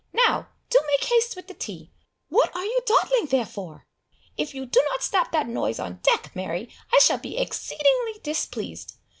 Now do make haste with the tea! What are you dawdling there for? If you do not stop that noise on deck, Mary, I shall be exceedingly displeased!